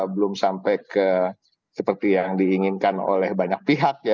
belum sampai ke seperti yang diinginkan oleh banyak pihak ya